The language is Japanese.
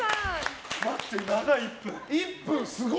待って、長い１分。